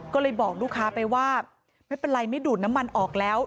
ก็เลยบอกลูกค้าไปว่าไม่เป็นไรไม่ดูดน้ำมันออกแล้ว